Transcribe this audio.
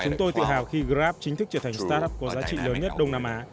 chúng tôi tự hào khi grab chính thức trở thành start up có giá trị lớn nhất đông nam á